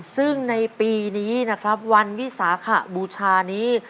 ซึ่งในปีนี้นะครับวันวิสาขบูชานี้